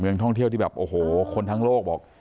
เมืองท่องเที่ยวที่แบบโอ้โหคนนักท่างโลกบอก